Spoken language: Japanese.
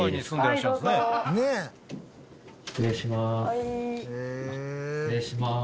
失礼します。